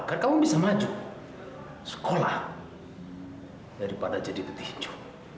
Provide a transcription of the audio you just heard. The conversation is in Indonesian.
bahkan kamu bisa maju sekolah daripada jadi petinju